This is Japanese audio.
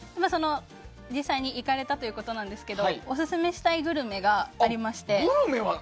実際に行かれたということなんですけどオススメしたいグルメがありまして。